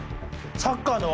サッカーの？